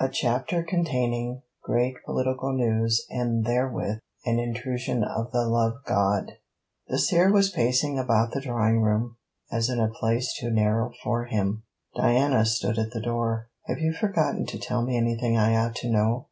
A CHAPTER CONTAINING GREAT POLITICAL NEWS AND THEREWITH AN INTRUSION OF THE LOVE GOD Dacier was pacing about the drawing room, as in a place too narrow for him. Diana stood at the door. 'Have you forgotten to tell me anything I ought to know?'